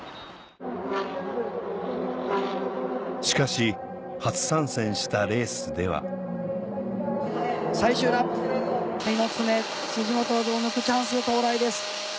しかし初参戦したレースでは最終ラップ猪爪本を抜くチャンス到来です。